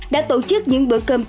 đã tổ chức những bữa cơm nhân ái